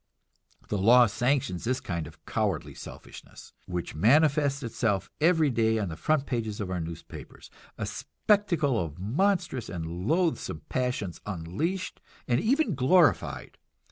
The law sanctions this kind of cowardly selfishness, which manifests itself every day on the front pages of our newspapers a spectacle of monstrous and loathsome passions unleashed and even glorified.